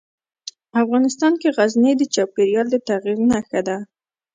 افغانستان کې غزني د چاپېریال د تغیر نښه ده.